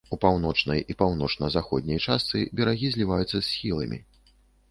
У паўночнай і паўночна-заходняй частцы берагі зліваюцца з схіламі.